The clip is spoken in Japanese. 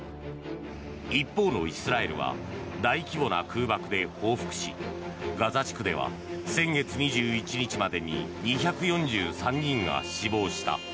一方のイスラエルは大規模な空爆で報復しガザ地区では先月２１日までに２４３人が死亡した。